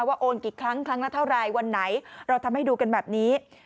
โอนกี่ครั้งครั้งละเท่าไรวันไหนเราทำให้ดูกันแบบนี้